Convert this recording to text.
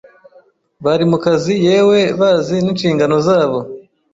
bari mu kazi yewe bazi n’inshingano zabo.